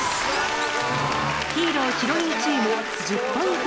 ヒーローヒロインチーム１０ポイント